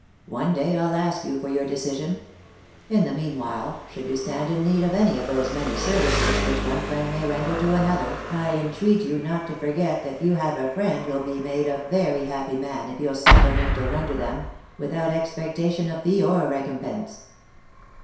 One day I'll ask you for your decision. In the meanwhile, should you stand in need of any of those many services which one friend may render to another, I entreat you not to forget that you have a friend who'll be made a very happy man if you'll suffer him to render them ; without expectation of fee or recompense."